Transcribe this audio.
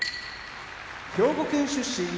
兵庫県出身